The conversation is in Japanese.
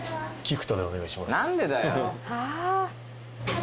何でだよ！